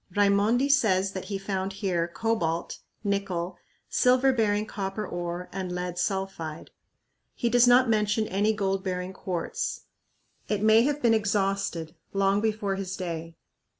Raimondi says that he found here cobalt, nickel, silver bearing copper ore, and lead sulphide. He does not mention any gold bearing quartz. It may have been exhausted long before his day.